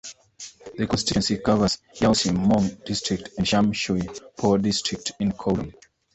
The constituency covers Yau Tsim Mong District and Sham Shui Po District in Kowloon.